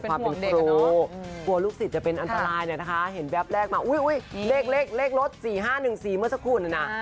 กลัวลูกศิษย์จะเป็นอันตรายเนี่ยนะคะเห็นแวบแรกมาอุ๊ยเลขรถ๔๕๑๔เมื่อสักครู่น่ะนะ